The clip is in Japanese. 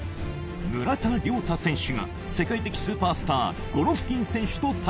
村田諒太選手が世界的スーパースターゴロフキン選手と対戦。